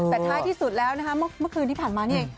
แต่ท้ายที่สุดแล้วนะคะเมื่อคืนที่ผ่านมานี่เอง